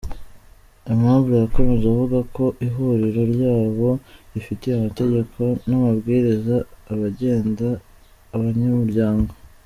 Aimable yakomeje avuga ko ihuriro ryabo rifite amategeko n’amabwiriza agenda abanyamuryango.